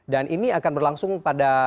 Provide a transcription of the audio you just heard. dan ini akan berlangsung pada